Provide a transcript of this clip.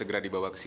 norah aku jalan dulu